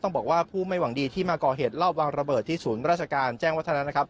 บอกว่าผู้ไม่หวังดีที่มาก่อเหตุรอบวางระเบิดที่ศูนย์ราชการแจ้งวัฒนานะครับ